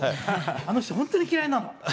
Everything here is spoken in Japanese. あの人、本当に嫌いなの。